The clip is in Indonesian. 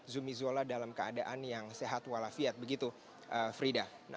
zumi zola dalam keadaan yang sehat walafiat begitu frida